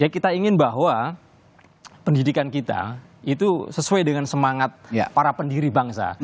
kita ingin bahwa pendidikan kita itu sesuai dengan semangat para pendiri bangsa